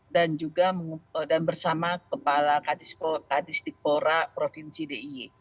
dan bersama kepala kadistikpora provinsi diy